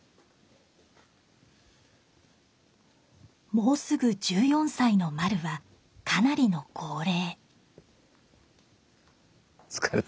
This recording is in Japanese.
もうすぐ１４歳のまるはかなりの高齢。